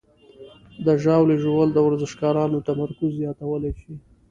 د ژاولې ژوول د ورزشکارانو تمرکز زیاتولی شي.